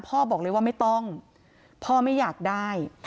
พ่อบอกเลยว่าไม่ต้องพ่อไม่อยากได้